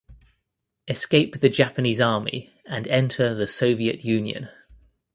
Escape the Japanese army and enter the Soviet Union.